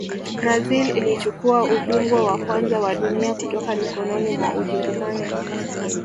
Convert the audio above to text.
brazil ilichukua ubingwa wa kwanza wa dunia kutoka mikononi mwa ujerumani